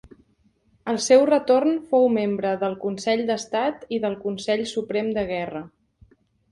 Al seu retorn fou membre del Consell d'Estat i del Consell Suprem de Guerra.